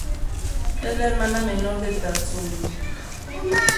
Es la hermana menor de Tatsumi.